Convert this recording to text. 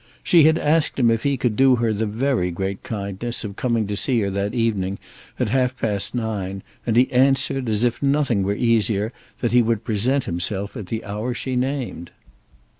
She had asked him if he could do her the very great kindness of coming to see her that evening at half past nine, and he answered, as if nothing were easier, that he would present himself at the hour she named.